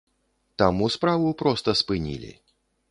Таму справу проста спынілі.